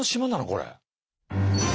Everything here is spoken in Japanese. これ。